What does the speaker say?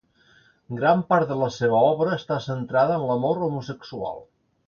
Gran part de la seva obra està centrada en l'amor homosexual.